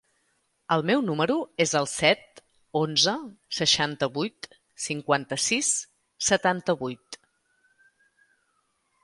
El meu número es el set, onze, seixanta-vuit, cinquanta-sis, setanta-vuit.